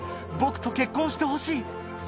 「僕と結婚してほしい」